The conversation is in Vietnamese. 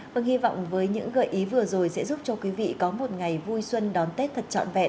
vâng hy vọng với những gợi ý vừa rồi sẽ giúp cho quý vị có một ngày vui xuân đón tết thật trọn vẹn